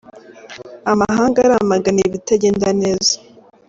Amahanga aramagana ibitajyenda neza